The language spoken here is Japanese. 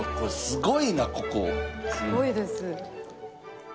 すごいです。